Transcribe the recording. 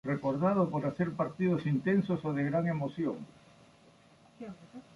Recordado por hacer partidos intensos o de gran emoción.